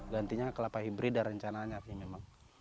gantinya kelapa hibrida rencananya sih memang